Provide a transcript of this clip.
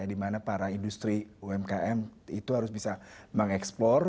di mana para industri umkm itu harus bisa mengeksplor